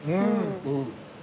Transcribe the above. うん。